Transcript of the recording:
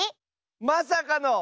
まさかの。